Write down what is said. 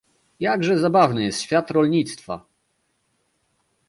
Jakże zabawny jest świat rolnictwa!